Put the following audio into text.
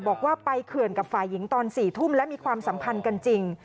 บอกว่าไปเขื่อนกับฝ่ายหญิงตอน๔ทุ่มและมีความสัมพันธ์กันจริง